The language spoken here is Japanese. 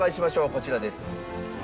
こちらです。